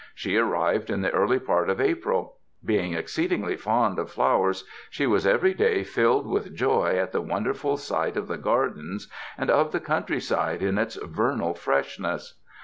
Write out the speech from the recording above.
She arrived in the early part of April. Being exceedingly fond of flowers, she was every day filled with joy at the won derful sight of the gardens and of the countryside iiji its vernal freshness.